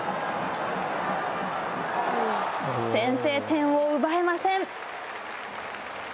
先制点を奪えません。